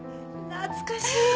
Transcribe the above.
懐かしい。